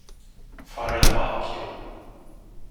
Fare la pacchia.